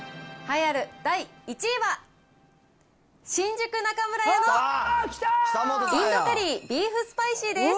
栄えある第１位は、新宿中村屋のインドカリービーフスパイシーです。